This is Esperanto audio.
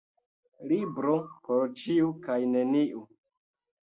Libro por ĉiu kaj neniu.